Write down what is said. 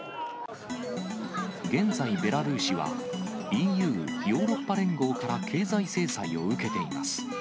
現在、ベラルーシはＥＵ・ヨーロッパ連合から経済制裁を受けています。